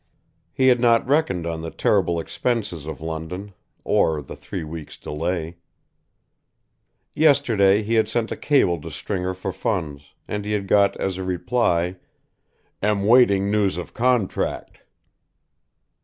He had not reckoned on the terrible expenses of London, or the three weeks delay. Yesterday he had sent a cable to Stringer for funds, and had got as a reply: "Am waiting news of contract."